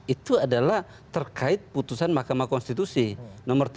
itu adalah terkait putusan mahkamah konstitusi nomor tiga